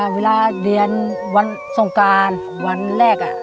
เวลาเรียนวันสงการวันแรก